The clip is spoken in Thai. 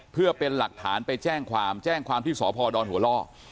เพื่อเป็นหลักฐานไปแจ้งความแจ้งความที่สพดหัวล่อ